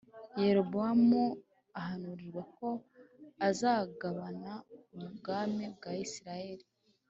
Yerobowamu ahanurirwa ko azagabana ubwami bwa Isirayeli